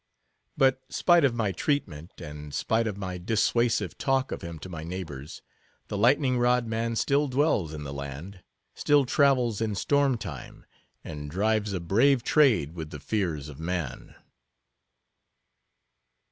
But spite of my treatment, and spite of my dissuasive talk of him to my neighbors, the Lightning rod man still dwells in the land; still travels in storm time, and drives a brave trade with the fears of man.